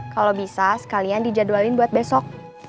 kalau bisa sekalian dijadwalin buat besok